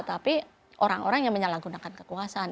tapi orang orang yang menyalahgunakan kekuasaan